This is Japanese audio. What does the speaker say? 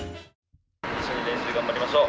一緒に練習頑張りましょう。